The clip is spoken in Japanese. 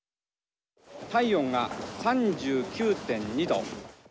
「体温が３９．２度」。